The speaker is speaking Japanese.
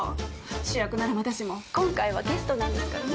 主役ならまだしも今回はゲストなんですからね。